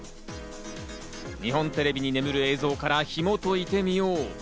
日本テレビに眠る映像から紐解いてみよう。